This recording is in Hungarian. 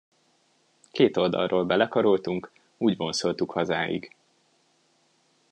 Két oldalról belekaroltunk, úgy vonszoltuk hazáig.